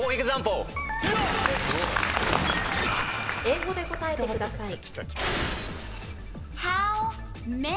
英語で答えてください。